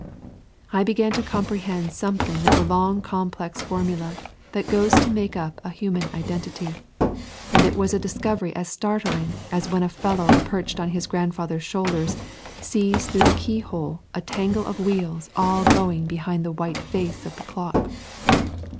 I began to comprehend something of the long complex formula that goes to make up a human identity, and it was a discovery as startling as when a fellow perched on his grandfather's shoulder sees through the key hole a tangle of wheels all going behind the white face of the clock.